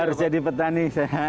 harus jadi petani